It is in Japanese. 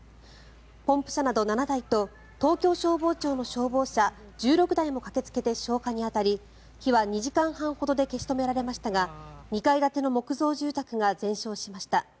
ポンプ車など７台と東京消防庁の消防車１６台も駆けつけて消火に当たり火は２時間半ほどで消し止められましたが２階建ての木造住宅が全焼しました。